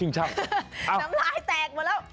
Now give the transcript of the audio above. น้ำลายแตกหมดแล้ว